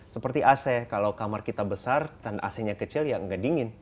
seperti ac kalau kamar kita besar dan ac nya kecil ya nggak dingin